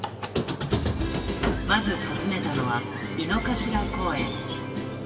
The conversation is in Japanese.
まず訪ねたのは、井の頭公園。